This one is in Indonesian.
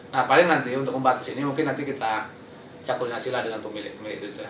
nah paling nanti untuk membatasi ini mungkin nanti kita koordinasi lah dengan pemilik pemilik itu